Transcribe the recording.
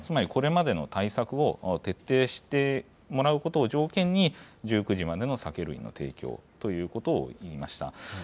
つまりこれまでの対策を徹底してもらうことを条件に、１９時までの酒類の提供ということを言いました。